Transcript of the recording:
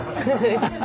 ハハハ。